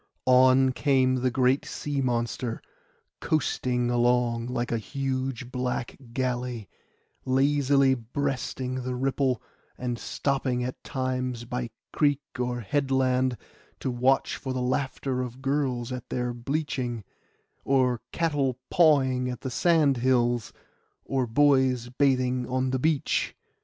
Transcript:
On came the great sea monster, coasting along like a huge black galley, lazily breasting the ripple, and stopping at times by creek or headland to watch for the laughter of girls at their bleaching, or cattle pawing on the sand hills, or boys bathing on the beach.